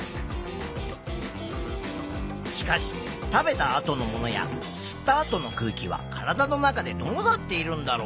しかし食べたあとのものや吸ったあとの空気は体の中でどうなっているんだろう？